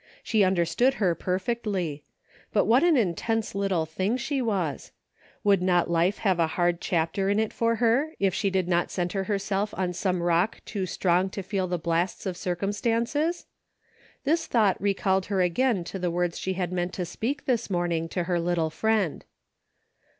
She understood her perfectly ; but what an intense little thing she was ! Would not life have a hard chapter in it for her if she did not centre herself on some Rock too strong to feel the blasts of cir cumstances .* This thought recalled her again to the words she had meant to speak this morning to her little friend.